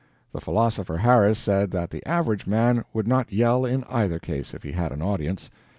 The philosopher Harris said that the average man would not yell in either case if he had an audience.